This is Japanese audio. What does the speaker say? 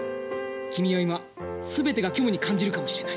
君は今全てが虚無に感じるかもしれない。